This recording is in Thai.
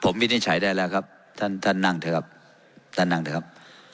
ผมวินิจฉัยได้แล้วครับท่านนั่งเถอะครับ